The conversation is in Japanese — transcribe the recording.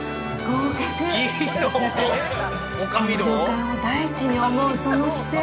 この旅館を第一に思うその姿勢。